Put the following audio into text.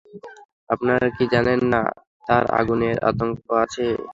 আপনারা কি জানেন না তার আগুনের আতঙ্ক আছে?